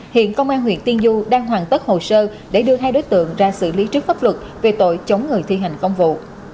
hiện công an huyện tiên du đang hoàn tất hồ sơ để đưa hai đối tượng ra xử lý trước pháp luật về tội chống người thi hành công vụ